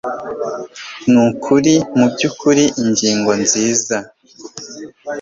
nukuri mubyukuri ingingo nziza